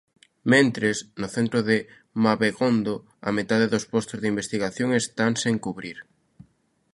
Mentres, no centro de Mabegondo, a metade dos postos de investigación están sen cubrir.